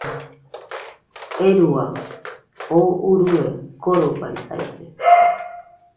¡Euruaɨ! oo urue korobaisaide